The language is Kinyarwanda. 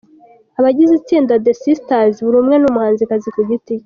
Abagize itsinda The Sisters, buri umwe ni umuhanzikazi ku giti cye.